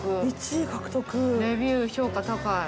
「１位獲得」「レビュー評価高い」